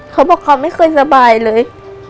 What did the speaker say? เขาบอกเขาไม่เคยสบายเลย